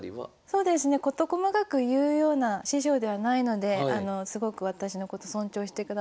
そうですね事細かく言うような師匠ではないのですごく私のこと尊重してくださっていますね。